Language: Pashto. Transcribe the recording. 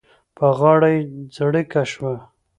په غاړه یې څړيکه شوه.